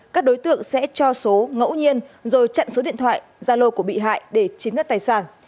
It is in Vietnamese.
các đối tượng sẽ cho số ngẫu nhiên rồi chặn số điện thoại gia lô của bị hại để chiếm đất tài sản